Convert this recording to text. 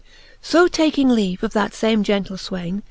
So taking leav^e of that fame gentle fwaine.